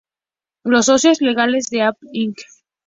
Los socios legales de Apple Inc.